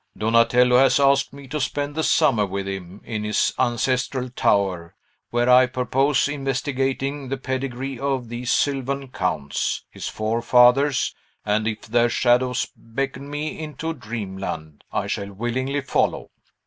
Donatello has asked me to spend the summer with him, in his ancestral tower, where I purpose investigating the pedigree of these sylvan counts, his forefathers; and if their shadows beckon me into dreamland, I shall willingly follow.